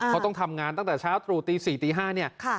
เขาต้องทำงานตั้งแต่เช้าตรู่ตี๔ตี๕เนี่ย